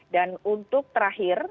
dan untuk terakhir